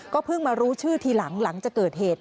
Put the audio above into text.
เพิ่งมารู้ชื่อทีหลังหลังจากเกิดเหตุ